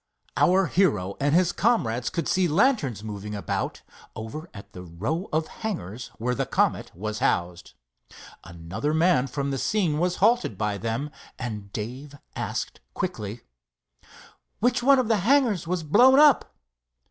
Our hero and his comrades could see lanterns moving about over at the row of hangars where the Comet was housed. Another man from the scene was halted by them, and Dave asked quickly: "Which one of the hangars was blown up?"